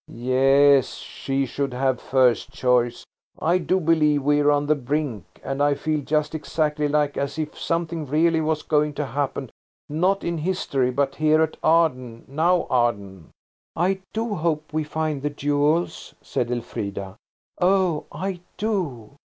"Yes; she should have first choice. I do believe we're on the brink, and I feel just exactly like as if something real was going to happen–not in history, but here at Arden–Now Arden." "I do hope we find the jewels," said Elfrida. "Oh, I do!